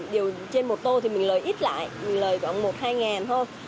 điều trên một tô thì mình lời ít lại mình lời khoảng một hai thôi